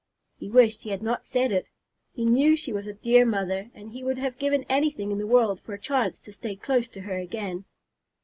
He wished he had not said it. He knew she was a dear mother, and he would have given anything in the world for a chance to stay close to her again.